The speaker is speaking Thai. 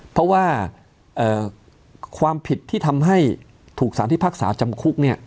เพราะว่าความผิดที่ทำให้ถูกสารพิพากษาจำคุก